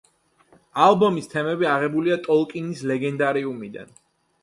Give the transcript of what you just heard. ალბომის თემები აღებულია ტოლკინის ლეგენდარიუმიდან.